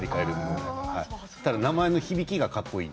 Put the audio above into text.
ただ名前の響きがかっこいい。